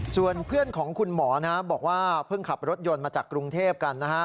ส่วนเพื่อนของคุณหมอบอกว่าเพิ่งขับรถยนต์มาจากกรุงเทพกันนะฮะ